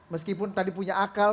meskipun tadi punya akal